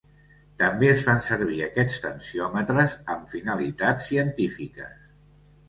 També es fan servir aquests tensiòmetres amb finalitats científiques.